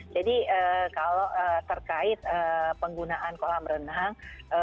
jadi kalau terkait penggunaan kolam renang